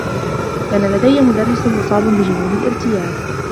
كان لديّ مدرّس مصاب بجنون الارتياب.